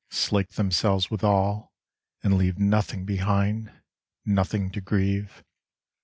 Slake themselves with all, and leave Nothing behind, nothing to grieve.